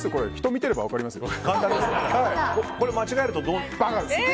見てれば分かりますよ。